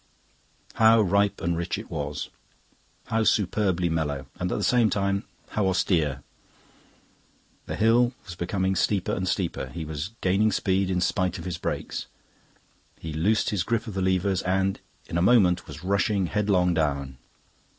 How ripe and rich it was, how superbly mellow! And at the same time, how austere! The hill was becoming steeper and steeper; he was gaining speed in spite of his brakes. He loosed his grip of the levers, and in a moment was rushing headlong down.